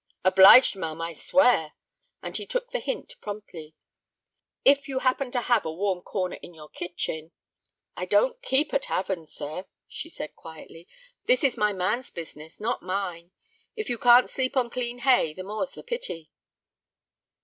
"Obliged, ma'am, I swear," and he took the hint promptly. "If you happen to have a warm corner in your kitchen—" "I don't keep a tavern, sir," she said, quietly. "This is my man's business, not mine. If you can't sleep on clean hay, the more's the pity."